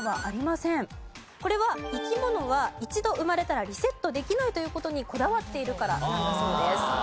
これは生き物は一度生まれたらリセットできないという事にこだわっているからなんだそうです。